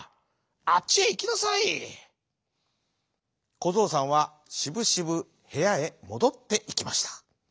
こぞうさんはしぶしぶへやへもどっていきました。